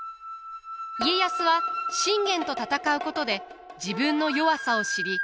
家康は信玄と戦うことで自分の弱さを知り多くを学びます。